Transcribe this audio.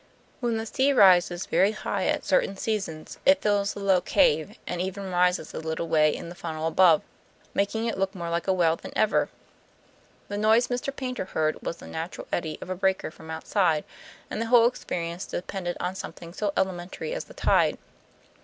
When the sea rises very high at certain seasons it fills the low cave, and even rises a little way in the funnel above, making it look more like a well than ever. The noise Mr. Paynter heard was the natural eddy of a breaker from outside, and the whole experience depended on something so elementary as the tide."